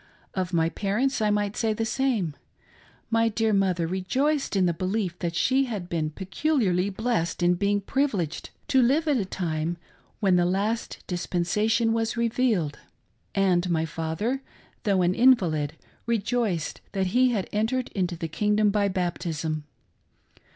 Of my parents I might say the same. My dear mother re joiced in the belief that she had been peculiarly blessed in being privileged to live at a time when " the last dispensa tion " was revealed ; and my father, though an invalid, rejoiced that he had entered into the kingdoin by baptism.